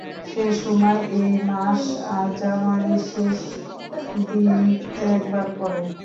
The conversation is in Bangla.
সেসময় এই মাস আর জানুয়ারির শেষ দিন এক বার পড়ে।